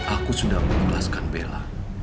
aku sudah memperkelaskan bella